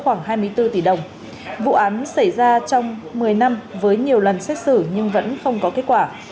khoảng hai mươi bốn tỷ đồng vụ án xảy ra trong một mươi năm với nhiều lần xét xử nhưng vẫn không có kết quả